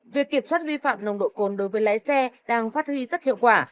việc kiểm soát vi phạm nồng độ cồn đối với lái xe đang phát huy rất hiệu quả